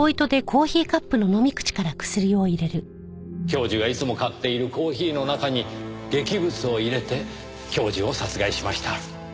教授がいつも買っているコーヒーの中に劇物を入れて教授を殺害しました。